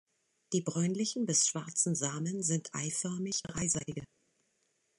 Die bräunlichen bis schwarzen Samen sind eiförmig-dreiseitige.